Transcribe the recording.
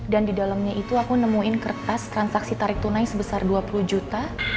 dan di dalamnya itu aku nemuin kertas transaksi tarik tunai sebesar dua puluh juta